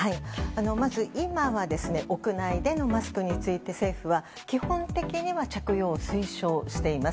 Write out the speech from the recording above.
まず、今は屋内でのマスクについて政府は、基本的には着用を推奨しています。